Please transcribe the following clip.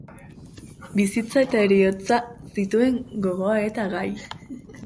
Bizitza eta heriotza zituen gogoeta-gai.